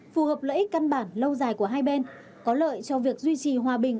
phù hợp lợi ích căn bản lâu dài của hai bên có lợi cho việc duy trì hòa bình